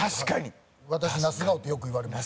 私那須顔ってよく言われます。